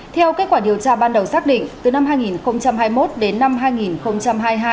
theo kết quả điều tra ban đầu xác định từ năm hai nghìn hai mươi một đến năm hai nghìn hai mươi hai